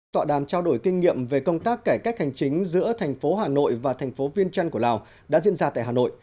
tọa đàm trao đổi kinh nghiệm về công tác cải cách hành chính giữa thành phố hà nội và thành phố viên trăn của lào đã diễn ra tại hà nội